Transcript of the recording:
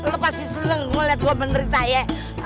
lu pasti seru liat gua menderita ya